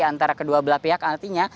antara kedua belah pihak artinya